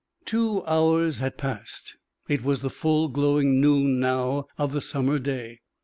Two hours had passed; it was the full glowing noon now of the summer day.